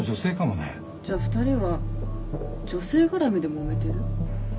じゃあ２人は女性絡みでもめてる？